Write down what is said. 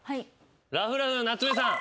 ラフ×ラフの夏目さん。